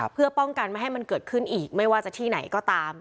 เพื่อป้องกันไม่ให้มันเกิดขึ้นอีกไม่ว่าจะที่ไหนก็ตาม